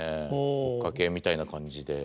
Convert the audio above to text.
追っかけみたいな感じで。